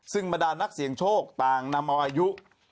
ซึ่งบรรดานักเสี่ยงโชคต่างนำเอาอายุ